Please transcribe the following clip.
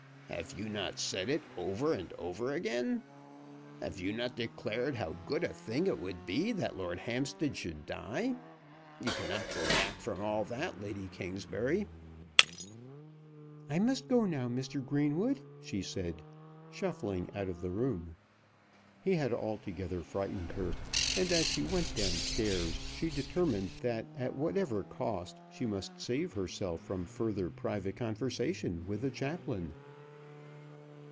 "Have you not said it over and over again? Have you not declared how good a thing it would be that Lord Hampstead should die? You cannot go back from all that, Lady Kingsbury." "I must go now, Mr. Greenwood," she said, shuffling out of the room. He had altogether frightened her, and, as she went down stairs, she determined that at whatever cost she must save herself from further private conversation with the chaplain.